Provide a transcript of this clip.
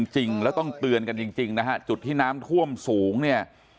จริงแล้วต้องเตือนกันจริงนะฮะจุดที่น้ำท่วมสูงเนี่ย